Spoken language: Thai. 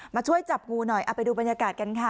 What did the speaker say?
มาช่วยจับงูหน่อยเอาไปดูบรรยากาศกันค่ะ